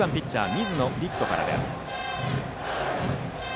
水野陸翔からです。